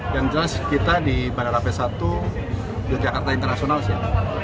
yang terakhir kita di bandara p satu yogyakarta internasional sih ya